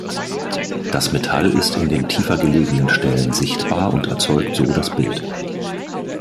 Das Metall ist in den tiefer gelegenen Stellen sichtbar und erzeugt so das Bild.